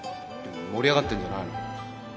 盛り上がってんじゃないの？